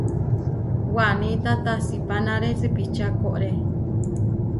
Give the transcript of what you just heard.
Wanita tasipánare sipiča koʼorée.